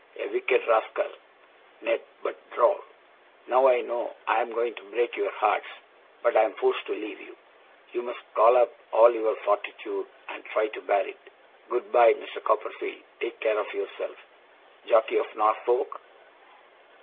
A wicked rascal, Ned, but droll! Now, I know I'm going to break your hearts, but I am forced to leave you. You must call up all your fortitude, and try to bear it. Good bye, Mr. Copperfield! Take care of yourself, jockey of Norfolk!